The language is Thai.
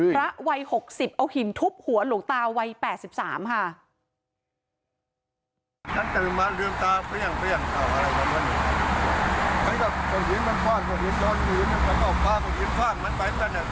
วัย๖๐เอาหินทุบหัวหลวงตาวัย๘๓ค่ะ